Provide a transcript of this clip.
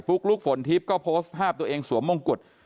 ลุกฝนทิพย์ก็โพสต์ภาพตัวเองสวมมงกุฎ